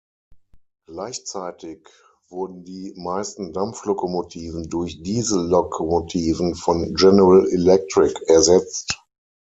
Gleichzeitig wurden die meisten Dampflokomotiven durch Diesellokomotiven von General Electric ersetzt.